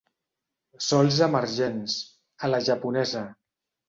Sols emergents, a la japonesa.